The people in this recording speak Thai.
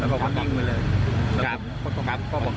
ได้ยินแต่เสียงตะปั๊ก